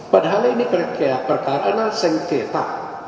padahal ini perkara adalah sengketa